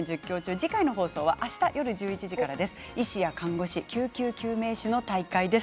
次回の放送は水曜日１１時からです。